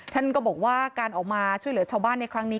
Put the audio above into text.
ท่านก็บอกว่าการออกมาช่วยเหลือชาวบ้านในครั้งนี้